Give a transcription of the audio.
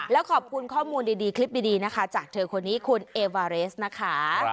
แล้วขอบคุณข้อมูลดีคลิปดีนะคะจากเธอคนนี้คุณเอวาเรสนะคะ